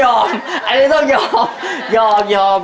ต้องยอมอันนี้ต้องยอม